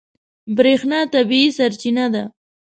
برېښنا طبیعي سرچینه ده.